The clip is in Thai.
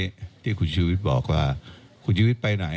แล้วถ้าคุณชุวิตไม่ออกมาเป็นเรื่องกลุ่มมาเฟียร์จีน